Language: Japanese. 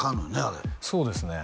あれそうですね